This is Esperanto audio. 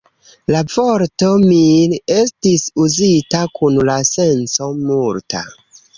La vorto "mil" estis uzita kun la senco "multa".